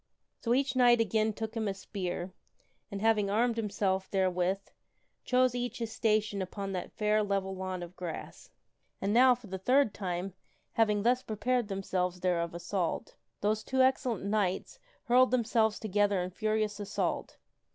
So each knight again took him a spear, and having armed himself therewith, chose each his station upon that fair, level lawn of grass. And now, for the third time, having thus prepared themselves thereof assault, those two excellent knights hurled themselves together in furious assault.